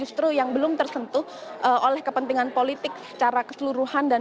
iya terima kasih